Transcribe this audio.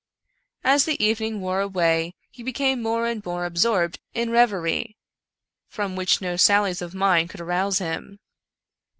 As the evening wore away he became more and more absorbed in reverie, from which no sallies of mine covild arouse him.